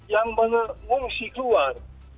yang mengungsi keluar